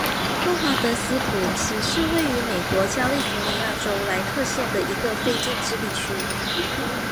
霍华德斯普林斯是位于美国加利福尼亚州莱克县的一个非建制地区。